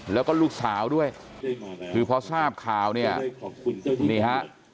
แล้วก็ลูกสาวด้วยคือพอทราบข่าวเนี่ยนี่ฮะ